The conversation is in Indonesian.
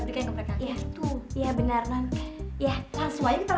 bagaimana kita tunjukin tentang kepercayaan yang bisa kita berikan ke mereka